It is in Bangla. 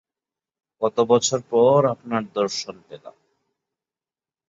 কতো বছর পর আপনার দর্শন পেলাম!